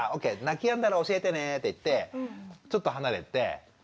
泣きやんだら教えてね」って言ってちょっと離れて「どう？泣きやんだ？